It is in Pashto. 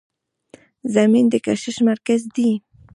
زمین د کشش مرکز دی.